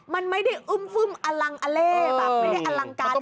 มันไม่ได้อึ้มฟึ้มอลังอเลไม่ได้อลังการอะไรเลย